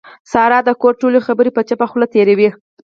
ساره د کور ټولې خبرې په چوپه خوله تېروي.